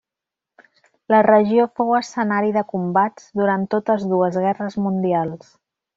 La regió fou escenari de combats durant totes dues guerres mundials.